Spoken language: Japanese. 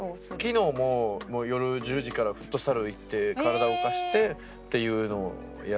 昨日も夜１０時からフットサル行って体動かしてっていうのをやるので運動は。